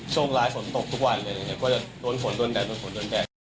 เรื่องหน้าของพวกเราจะต้องสมชายกันหน่อย